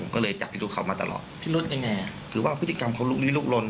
ก็เลยจับพี่ดูเขามาตลอดพิรุษยังไงคือว่าพฤติกรรมเขาลุกลี้ลุกลน